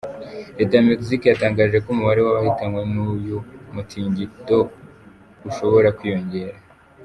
Leta ya Mexique yatangaje ko umubare w’ abahitanywe n’ uyu mungito ushobora kwiyongera.